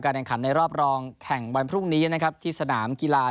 แข่งขันในรอบรองแข่งวันพรุ่งนี้นะครับที่สนามกีฬา